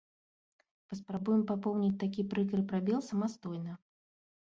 Паспрабуем папоўніць такі прыкры прабел самастойна.